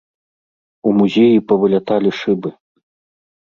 У музеі павыляталі шыбы.